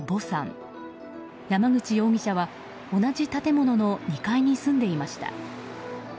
山口容疑者は同じ建物の２階に住んでいました。